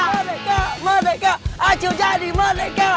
merdeka merdeka acu jadi merdeka